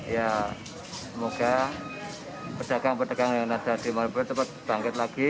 ya semoga pedagang pedagang yang ada di maliput cepat bangkit lagi